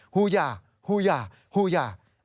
ฮูยาฮูยาฮูยา